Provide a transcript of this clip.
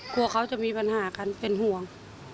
กลัวเขาจะมีปัญหากันเป็นห่วง